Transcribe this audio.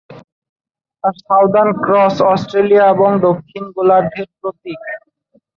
আর southern cross Australia এবং দক্ষিণ গোলার্ধের প্রতীক।